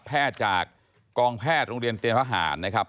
แพทย์จากกองแพทย์โรงเรียนเตรียมทหารนะครับ